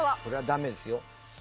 これはダメですよ。